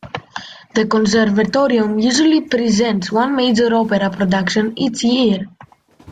The Conservatorium usually presents one major opera production each year.